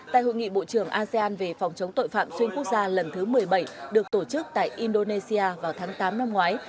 tại hội nghị bộ trưởng asean về phòng chống tội phạm xuyên quốc gia lần thứ một mươi bảy được tổ chức tại indonesia vào tháng tám năm ngoái